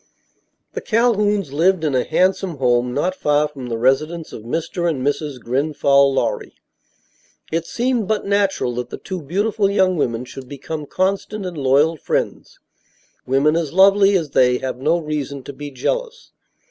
The Calhouns lived in a handsome home not far from the residence of Mr. and Mrs. Grenfall Lorry. It seemed but natural that the two beautiful young women should become constant and loyal friends. Women as lovely as they have no reason to be jealous.